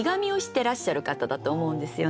てらっしゃる方だと思うんですよね。